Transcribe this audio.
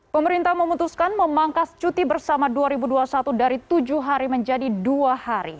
pemerintah memutuskan memangkas cuti bersama dua ribu dua puluh satu dari tujuh hari menjadi dua hari